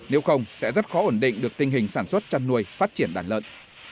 nếu không sẽ rất khó ổn định được tình hình sản xuất chăn nuôi phát triển đàn lợn